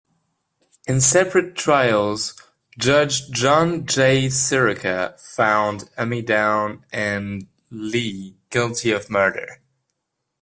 In separate trials, Judge John J. Sirica found Ammidown and Lee guilty of murder.